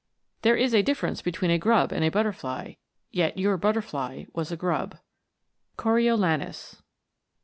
(i There is a difference between a grub and butterfly ; yet Your butterfly was a grub." Coriolanus.